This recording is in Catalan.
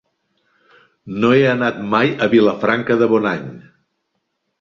No he anat mai a Vilafranca de Bonany.